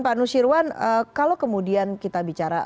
pak nusirwan kalau kemudian kita bicara